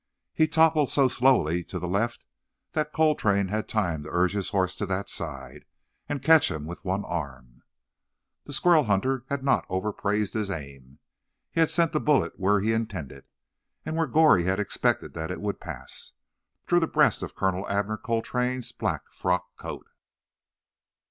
He toppled so slowly to the left that Coltrane had time to urge his horse to that side, and catch him with one arm. The squirrel hunter had not overpraised his aim. He had sent the bullet where he intended, and where Goree had expected that it would pass—through the breast of Colonel Abner Coltrane's black frock coat.